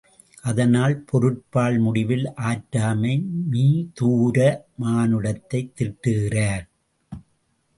அதனால் பொருட்பால் முடிவில் ஆற்றாமை மீதூர மானுடத்தைத் திட்டுகிறார்.